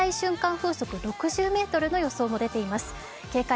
風速６０メートルの予想も出ています。